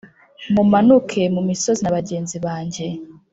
Mumanukane mu misozi na bagenzi banjye